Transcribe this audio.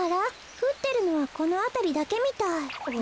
ふってるのはこのあたりだけみたい。